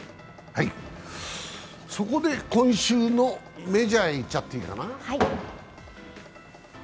そこで今週のメジャーにいっちゃっていいかな。